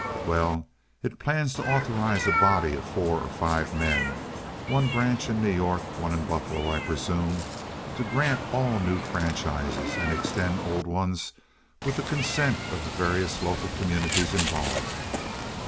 "Well, it plans to authorize a body of four or five men—one branch in New York, one in Buffalo, I presume—to grant all new franchises and extend old ones with the consent of the various local communities involved.